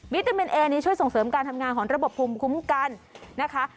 ตามินเอนี้ช่วยส่งเสริมการทำงานของระบบภูมิคุ้มกันนะคะ